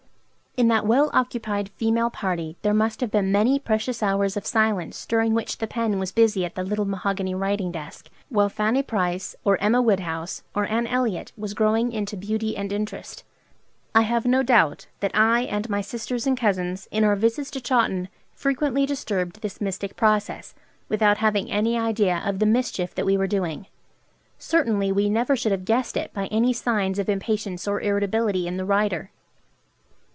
In that well occupied female party there must have been many precious hours of silence during which the pen was busy at the little mahogany writing desk, while Fanny Price, or Emma Woodhouse, or Anne Elliott was growing into beauty and interest. I have no doubt that I, and my sisters and cousins, in our visits to Chawton, frequently disturbed this mystic process, without having any idea of the mischief that we were doing; certainly we never should have guessed it by any signs of impatience or irritability in the writer.